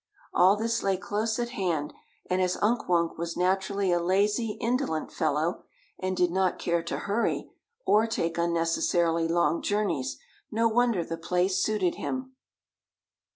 All this lay close at hand, and as Unk Wunk was naturally a lazy, indolent fellow, and did not care to hurry, or take unnecessarily long journeys, no wonder the place suited him.